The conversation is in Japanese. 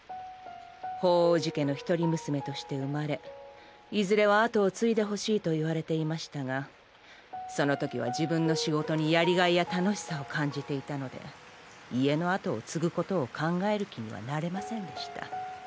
鳳凰寺家の１人娘として生まれいずれは跡を継いでほしいと言われていましたがそのときは自分の仕事にやりがいや楽しさを感じていたので家の跡を継ぐことを考える気にはなれませんでした。